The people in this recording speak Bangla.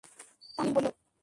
তামিল বললো, তাই না?